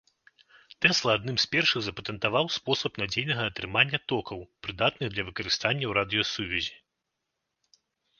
Тэсла адным з першых запатэнтаваў спосаб надзейнага атрымання токаў, прыдатных для выкарыстання ў радыёсувязі.